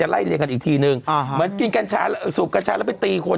จะไล่เรียกันอีกทีนึงอ๋อฮะเหมือนกินการชาสูบการชาสแล้วไปตรีคน